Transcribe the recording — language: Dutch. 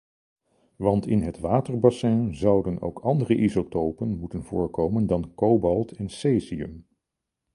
Want in het waterbassin zouden ook andere isotopen moeten voorkomen dan kobalt en cesium.